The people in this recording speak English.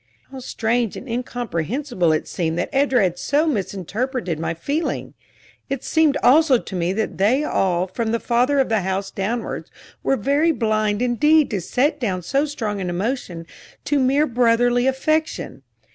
How strange and incomprehensible it seemed that Edra had so misinterpreted my feeling! It seemed also to me that they all, from the father of the house downwards, were very blind indeed to set down so strong an emotion to mere brotherly affection.